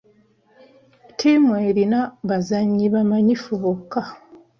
Ttiimu erina bazannyi bamanyifu bokka.